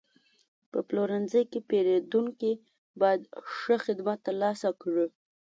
په پلورنځي کې پیرودونکي باید ښه خدمت ترلاسه کړي.